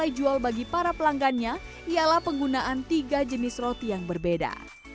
yang menjadi nilai jual bagi para pelanggannya ialah penggunaan tiga jenis roti yang berbeda